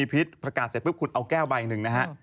ปรากฏเสร็จปรับคุณเอาแก้วไปนึงนะฮะ